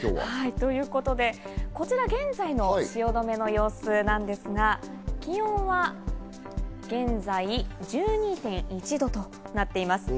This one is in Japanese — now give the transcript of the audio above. ということで、こちら現在の汐留の様子なんですが、気温は現在１２．１度となっています。